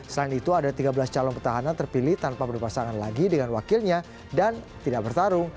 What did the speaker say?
selain itu ada tiga belas calon petahana terpilih tanpa berpasangan lagi dengan wakilnya dan tidak bertarung